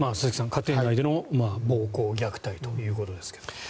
家庭内での暴行・虐待ということですが。